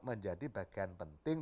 menjadi bagian penting